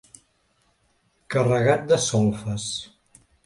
Carregat de solfes.